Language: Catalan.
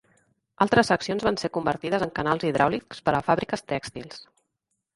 Altres seccions van ser convertides en canals hidràulics per a fàbriques tèxtils.